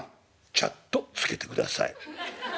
「チャットつけてください」。